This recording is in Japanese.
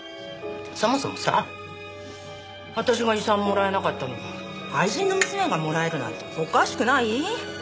そもそもさ私が遺産もらえなかったのに愛人の娘がもらえるなんておかしくない？